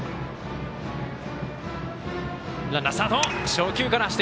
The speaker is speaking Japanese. ランナー、スタート。